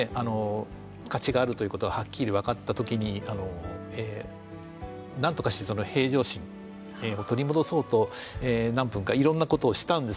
勝ちがあるということをはっきり分かったときになんとかして平常心を取り戻そうと何分かいろんなことをしたんです